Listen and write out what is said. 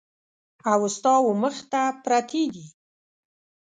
او ستا ومخ ته پرتې دي !